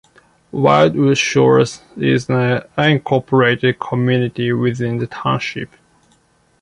Wildwood Shores is an unincorporated community within the township.